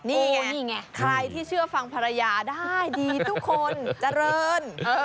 นี่ไงใครที่เชื่อฟังภรรยาได้ดีทุกคนเจริญ